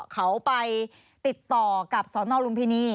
เขาไปติดต่อกับสนลุมพินี